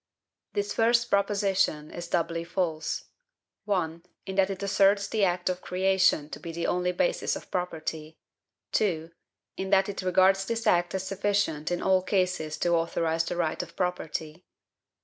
This first proposition is doubly false. 1. In that it asserts the act of CREATION to be the only basis of property. 2. In that it regards this act as sufficient in all cases to authorize the right of property.